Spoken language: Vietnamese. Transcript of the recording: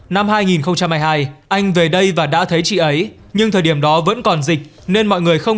năm hai nghìn hai mươi hai anh về đây và đã thấy chị ấy nhưng thời điểm đó vẫn còn dịch nên mọi người không